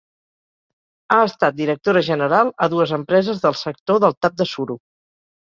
Ha estat directora general a dues empreses del sector del tap de suro.